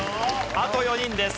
あと４人です。